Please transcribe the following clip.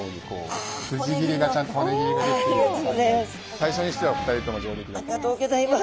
最初にしては２人とも上出来だと思います。